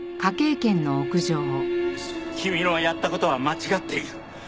君のやった事は間違っている。